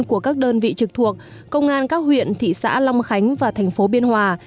của các đơn vị trực thuộc công an các huyện thị xã long khánh và thành phố biên hòa